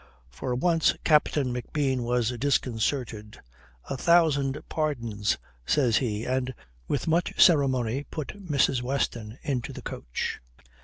For once Captain McBean was disconcerted. "A thousand pardons," says he, and with much ceremony put Mrs. Weston into the coach.